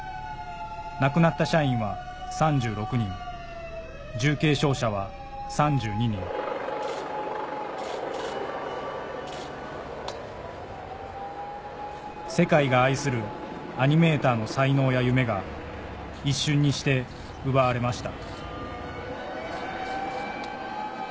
亡くなった社員は３６人世界が愛するアニメーターの才能や夢が一瞬にして奪われました